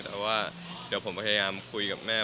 แต่ว่าเดี๋ยวผมพยายามคุยกับแม่